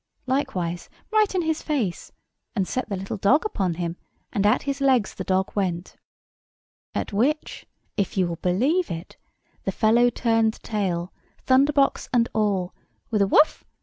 likewise, right in his face, and set the little dog upon him; and at his legs the dog went. At which, if you will believe it, the fellow turned tail, thunderbox and all, with a "Woof!"